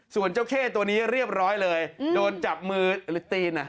ส่วนเจ้าเข้ตัวนี้เรียบร้อยเลยโดนจับมือหรือตีน